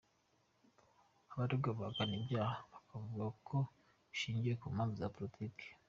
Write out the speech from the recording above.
Abaregwa bahakana ibyaha bakavuga ko bishingiye ku mpamvu za politiki.